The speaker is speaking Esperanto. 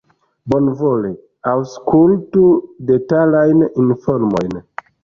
Bonvole aŭskultu detalajn informojn.